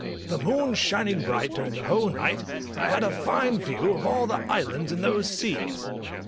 The moon shining bright during the whole night, I had a fine view of all the islands in those seas.